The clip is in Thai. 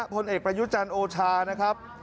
ผลเอกประยุจันทร์โอชานะครับ